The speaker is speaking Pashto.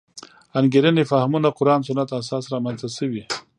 انګېرنې فهمونه قران سنت اساس رامنځته شوې.